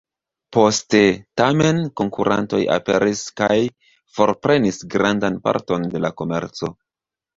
Poste, tamen, konkurantoj aperis kaj forprenis grandan parton de la komerco.